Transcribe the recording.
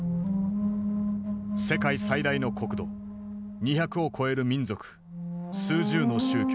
世界最大の国土２００を超える民族数十の宗教。